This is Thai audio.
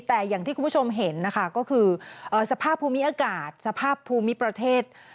แต่อย่างที่คุณผู้ชมเห็นนะคะก็คือสภาพภูมิอากาศสภาพภูมิประเทศ